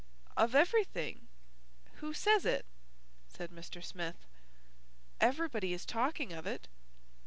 "Of everything." "Who says it?" said Mr. Smith. "Everybody is talking of it."